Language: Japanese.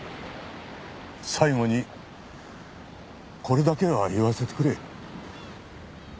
最後にこれだけは言わせてくれ。